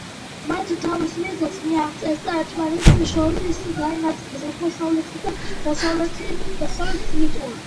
მათ თავის მიზანს მიაღწიეს და ერთმანეთს შორის გაინაწილეს აღმოსავლეთ და დასავლეთ ლიტვა.